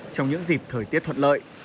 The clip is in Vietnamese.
trong những dịch thời tiết thuận lợi